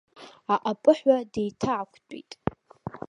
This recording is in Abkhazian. Аҟаԥыҳәа деиҭаақәтәеит.